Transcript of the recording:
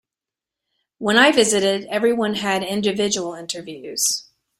When I visited everyone had individual interviews.